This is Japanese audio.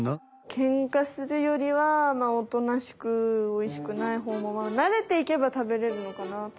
ケンカするよりはまあおとなしくおいしくないほうもまあなれていけば食べれるのかなと。